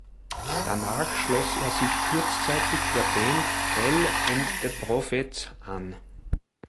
Danach schloss er sich kurzzeitig der Band Pal and the Prophets an.